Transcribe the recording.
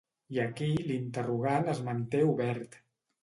I aquí l’interrogant es manté obert.